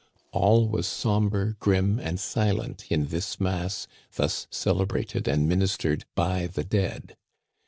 All was somber, grim, and silent in this mass thus celebrated and ministered by the dead.